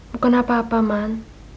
bukan apa apa man